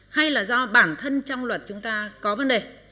hay là do bản thân trong luật chúng ta có vấn đề